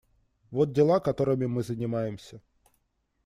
Вот дела, которыми мы занимаемся.